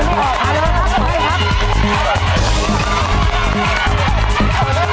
แล้วก็ให้มันยิ่งจะรอได้ปฏิเสธมาสำคัญแล้วครับ